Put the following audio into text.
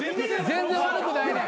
全然悪くないねん。